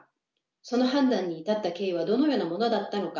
その判断に至った経緯はどのようなものだったのか？